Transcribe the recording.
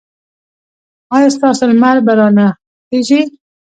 ایا ستاسو لمر به را نه خېژي؟